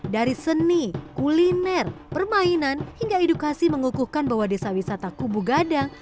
dari seni kuliner permainan hingga edukasi mengukuhkan bahwa desa wisata kubu gadang